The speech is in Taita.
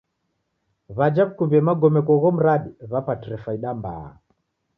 W'aja w'ikumbie magome kwa ugho mradi w'apatire faida mbaa.